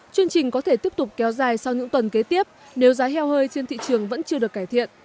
chương trình có thể tiếp tục kéo dài sau những tuần kế tiếp nếu giá heo hơi trên thị trường vẫn chưa được cải thiện